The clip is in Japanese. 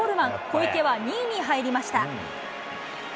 小池は２位に入りました。